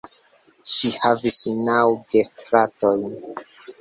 Ŝi havis naŭ gefratojn.